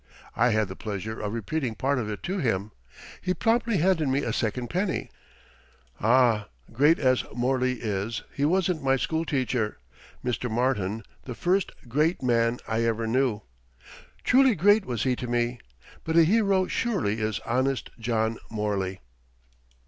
I had the pleasure of repeating part of it to him. He promptly handed me a second penny. Ah, great as Morley is, he wasn't my school teacher, Mr. Martin the first "great" man I ever knew. Truly great was he to me. But a hero surely is "Honest John" Morley.